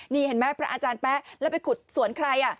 นี่เห็นไหมพระอาจารย์แป๊ะแล้วไปขุดสวนใคร